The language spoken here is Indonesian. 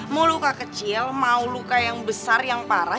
mau luka kecil mau luka yang besar yang parah